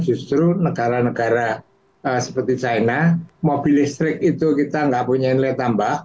justru negara negara seperti china mobil listrik itu kita nggak punya nilai tambah